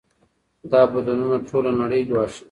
دا بدلونونه ټوله نړۍ ګواښي.